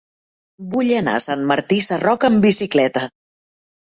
Vull anar a Sant Martí Sarroca amb bicicleta.